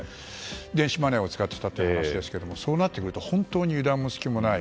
電子マネーを使っていたというお話ですがそうなってくると本当に油断も隙もない。